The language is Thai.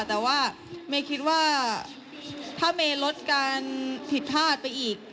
แต่ว่าเมย์คิดว่าถ้าเมย์ลดการผิดพลาดไปอีก